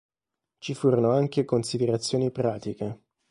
Ci furono anche considerazioni pratiche.